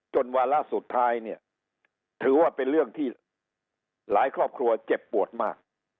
วาระสุดท้ายเนี่ยถือว่าเป็นเรื่องที่หลายครอบครัวเจ็บปวดมาก